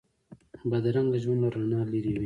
بدرنګه ژوند له رڼا لرې وي